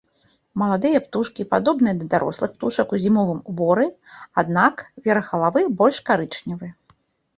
Маладыя птушкі падобныя да дарослых птушак у зімовым уборы, аднак, верх галавы больш карычневы.